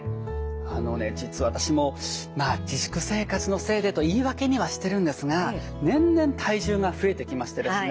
あのね実は私も自粛生活のせいでと言い訳にはしてるんですが年々体重が増えてきましてですね